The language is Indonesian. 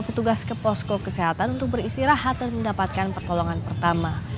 petugas ke posko kesehatan untuk beristirahat dan mendapatkan pertolongan pertama